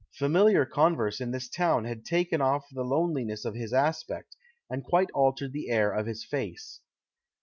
Familiar converse in this town had taken off the loneliness of his aspect, and quite altered the air of his face."